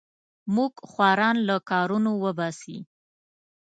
موږ خواران له کارونو وباسې.